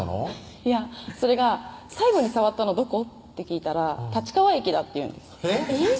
いやそれが「最後に触ったのどこ？」って聞いたら「立川駅だ」って言うんですえっ？